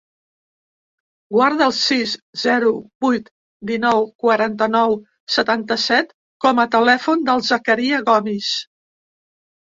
Guarda el sis, zero, vuit, dinou, quaranta-nou, setanta-set com a telèfon del Zakaria Gomis.